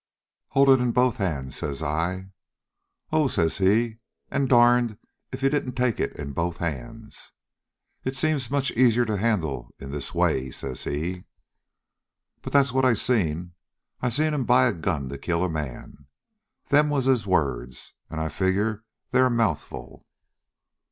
"'Hold it in both hands,' says I. "'Oh,' says he, and darned if he didn't take it in both hands. "'It seems much easier to handle in this way,' says he. "But that's what I seen. I seen him buy a gun to kill a man. Them was his words, and I figure they're a mouthful."